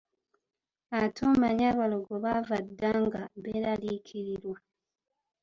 Ate omanyi abalogo baava dda nga beeraliikirirwa.